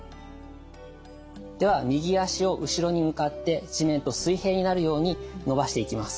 では右脚を後ろに向かって地面と水平になるように伸ばしていきます。